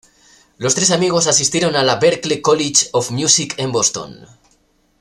Los tres amigos asistieron a la Berklee College of Music en Boston.